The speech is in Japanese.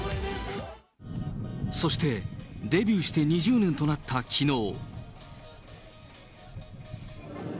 そして、デビューして２０年となったきのう。